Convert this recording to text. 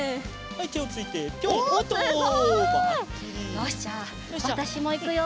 よしじゃあわたしもいくよ。